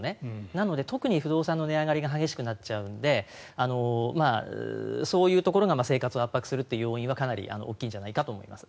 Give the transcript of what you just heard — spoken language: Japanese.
なので、特に不動産の値上がりが激しくなっちゃうのでそういうところが生活を圧迫するという要因はかなり大きいんじゃないかと思います。